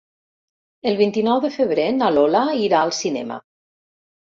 El vint-i-nou de febrer na Lola irà al cinema.